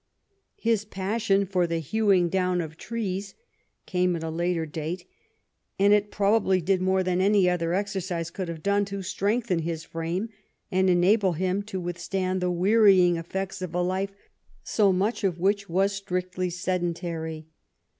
His passion for the hewing down of trees came at a later date, and it probably did more than any other exercise could have done to strengthen his frame and enable him to withstand the wearying effects of a life so much of which was strictly sedentary.